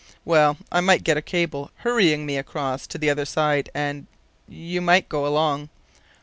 "Well, I might get a cable hurrying me across to the other side, and you might go along."